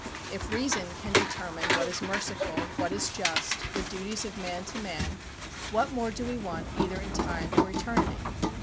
If reason can determine what is merciful, what is just, the duties of man to man, what more do we want either in time or eternity?